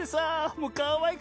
もうかわいくて。